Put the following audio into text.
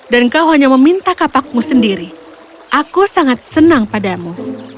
dan kau hanya meminta kapakmu sendiri aku sangat senang padamu